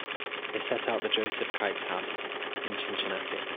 They set out for Joseph Kite's house in Cincinnati.